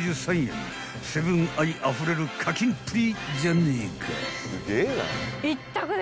［セブン愛あふれる課金っぷりじゃねえか］